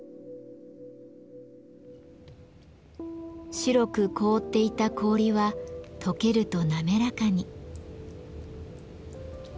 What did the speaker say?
白く凍っていた氷はとけると滑らかに。